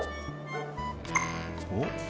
おっ？